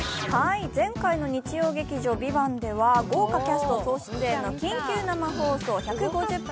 前回の日曜劇場「ＶＩＶＡＮＴ」では豪華キャスト総出演の緊急生放送１５０分